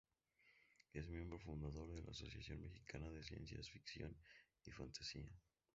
Es miembro fundador de la Asociación Mexicana de Ciencia Ficción y Fantasía.